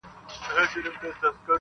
جام د میني راکړه,